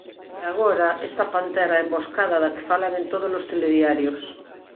E agora, esta pantera emboscada da que falan en todos os telediarios.